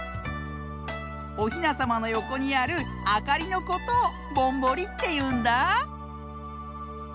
おひなさまのよこにあるあかりのことをぼんぼりっていうんだ。